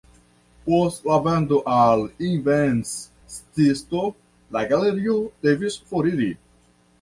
Post la vendo al invenstisto la galerio devis foriri.